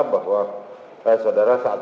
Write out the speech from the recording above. bahwa eh saudara saat